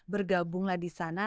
bergabunglah di sana